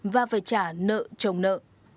và phải trả nợ trồng nợ